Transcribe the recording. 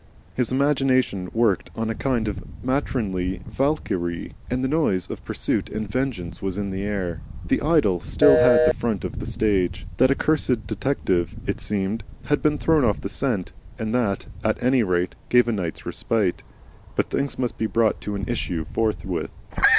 His imagination worked on a kind of matronly Valkyrie, and the noise of pursuit and vengeance was in the air. The idyll still had the front of the stage. That accursed detective, it seemed, had been thrown off the scent, and that, at any rate, gave a night's respite. But things must be brought to an issue forthwith.